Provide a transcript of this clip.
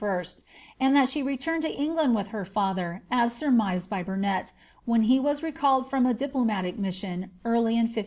tod that she returned to England with her &ther, as surmised by Burnet, when he was recalled from a diplomatic mission, early in 1527.